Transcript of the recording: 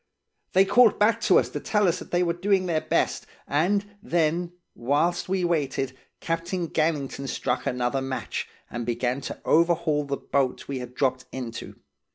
They called back to us to tell us they were doing their best, and then, whilst we waited, Captain Gannington struck another match, and began to overhaul the boat we had dropped into.